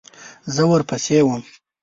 زه ورپسې وم .